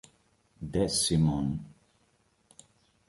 De Simon